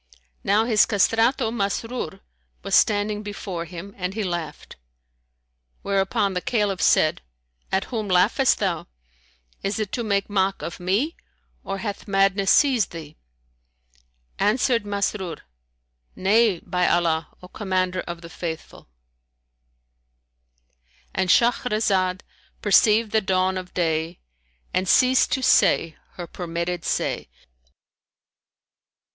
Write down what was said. Now his castrato Masrϊr was standing before him, and he laughed: whereupon the Caliph said "At whom laughest thou? Is it to make mock of me or hath madness seized thee?" Answered Masrur, "Nay, by Allah, O Commander of the Faithful,"—And Shahrazad perceived the dawn of day and ceased to say her permitted say.